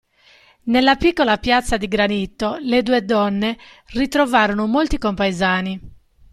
Nella piccola piazza di granito le due donne ritrovarono molti compaesani.